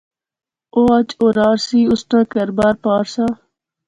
او اج اورار سی، اس نا کہھر بار پار سا